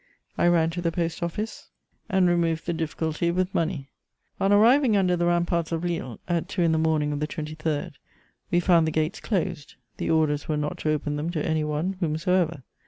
I ran to the post office and removed the difficulty with money. On arriving under the ramparts of Lille, at two in the morning of the 23rd, we found the gates closed; the orders were not to open them to any one whomsoever.